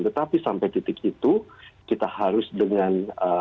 tetapi sampai titik itu kita harus dengan